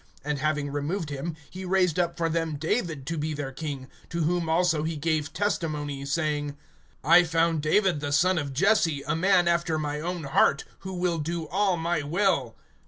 (22)And having removed him, he raised up for them David to be their king; to whom also he gave testimony, saying: I found David the son of Jesse, a man after my own heart, who will do all my will.